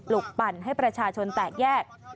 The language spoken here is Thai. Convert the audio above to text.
ลุกปั่นให้ประชาชนแตกแยก